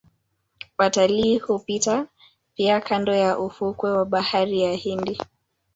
Watalii hupita pia kando ya ufukwe wa bahari ya Hindi